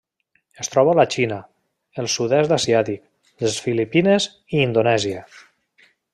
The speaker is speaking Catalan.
Es troba a la Xina, el Sud-est asiàtic, les Filipines i Indonèsia.